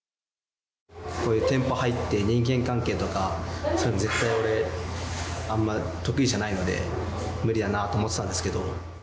こういう店舗入って人間関係とかそういうの絶対俺あんまり得意じゃないので無理だなと思っていたんですけど。